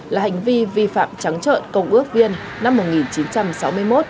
là hành vi vi phạm trắng trợn công ước viên năm một nghìn chín trăm sáu mươi một